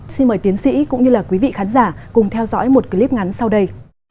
xin mời tiến sĩ cũng như quý vị khán giả cùng theo dõi một clip ngắn sau đây